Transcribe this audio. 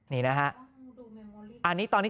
นี่นะฮะอันนี้ตอนนี้